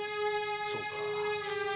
そうか。